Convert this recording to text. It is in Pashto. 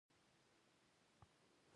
حکومت د خپل ساتلو لپاره هره نظریه قبلوي.